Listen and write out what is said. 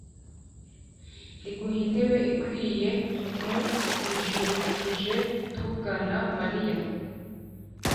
iguha intebe ukwiriye mu ijurutuje tukugana maria